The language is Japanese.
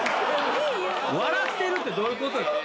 笑ってるってどういうことですか？